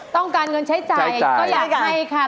ต้องการเงินใช้จ่ายก็อยากให้ค่ะ